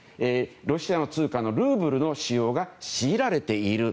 ロシアの通貨のルーブルの使用が強いられている。